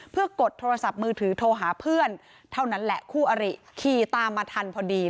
เพื่อกดโทรศัพท์มือถือโทรหาเพื่อนเท่านั้นแหละคู่อริขี่ตามมาทันพอดี